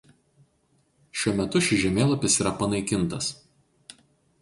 Šiuo metu šis žemėlapis yra panaikintas.